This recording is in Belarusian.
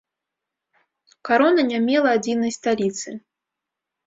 Карона не мела адзінай сталіцы.